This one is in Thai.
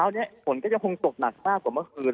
และฝนก็จะคงตกหนักมากกว่าเมื่อคืน